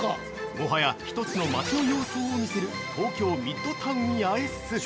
◆もはや一つの街の様相を見せる東京ミッドタウン八重洲。